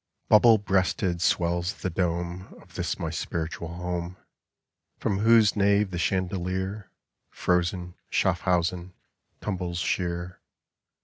BUBBLE BREASTED swells the dome Of this my spiritual home, From whose nave the chandelier, Frozen Schafthausen, tumbles sheer.